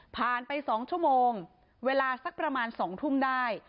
ไป๒ชั่วโมงเวลาสักประมาณ๒ทุ่มได้